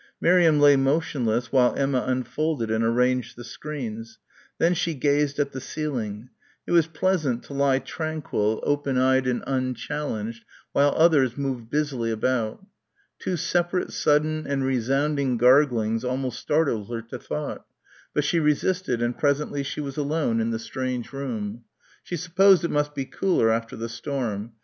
Miriam lay motionless while Emma unfolded and arranged the screens. Then she gazed at the ceiling. It was pleasant to lie tranquil, open eyed and unchallenged while others moved busily about. Two separate, sudden and resounding garglings almost startled her to thought, but she resisted, and presently she was alone in the strange room. She supposed it must be cooler after the storm.